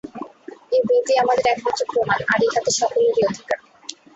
এই বেদই আমাদের একমাত্র প্রমাণ, আর ইহাতে সকলেরই অধিকার।